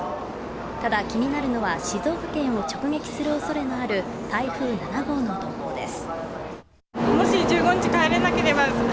ただ気になるのは静岡県を直撃するおそれのある台風７号の動向です